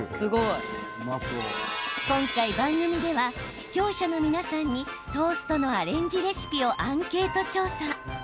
今回、番組では視聴者の皆さんにトーストのアレンジレシピをアンケート調査。